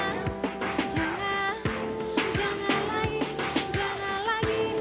jangan jangan jangan lagi jangan lagi